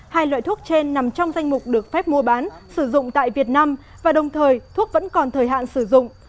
hai loại thuốc trên nằm trong danh mục được phép mua bán sử dụng tại việt nam và đồng thời thuốc vẫn còn thời hạn sử dụng